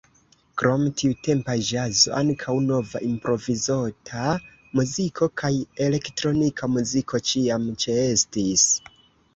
Krom tiutempa ĵazo ankaŭ nova improvizota muziko kaj elektronika muziko ĉiam ĉeestis.